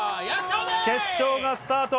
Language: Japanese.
決勝がスタート！